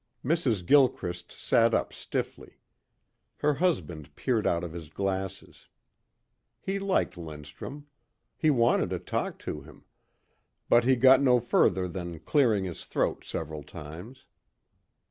Mrs. Gilchrist sat up stiffly. Her husband peered out of his glasses. He liked Lindstrum. He wanted to talk to him. But he got no further than clearing his throat several times.